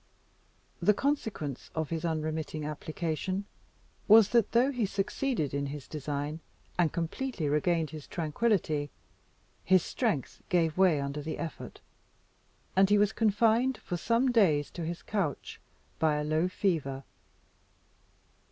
The consequence of his unremitting application was that, though he succeeded in his design and completely regained his tranquillity, his strength gave way under the effort, and he was confined for some days to his couch by a low fever.